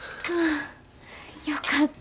よかった。